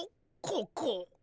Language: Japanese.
ここ。